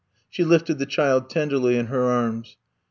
She lifted the child tenderly in her arms.